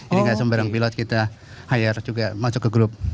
jadi gak cuma bareng pilot kita hire juga masuk ke grup